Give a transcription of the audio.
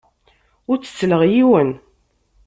Ur ttettleɣ yiwen.